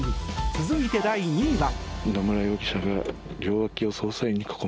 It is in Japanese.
続いて第２位は。